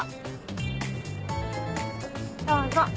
どうぞ。